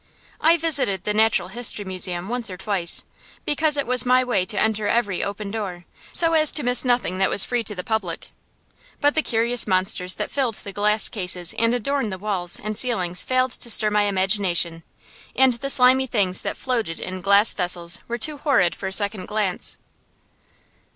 I visited the Natural History Museum once or twice, because it was my way to enter every open door, so as to miss nothing that was free to the public; but the curious monsters that filled the glass cases and adorned the walls and ceilings failed to stir my imagination, and the slimy things that floated in glass vessels were too horrid for a second glance.